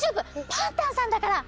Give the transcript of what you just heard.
パンタンさんだから！